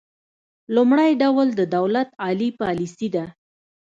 لومړی ډول د دولت عالي پالیسي ده